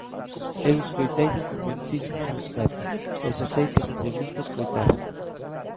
Eu escoiteino con moitísimo respecto, e xa sei que non lle gusta escoitar.